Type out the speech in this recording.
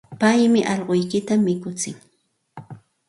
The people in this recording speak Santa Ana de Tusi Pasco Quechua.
Paymi allquykita mikutsin.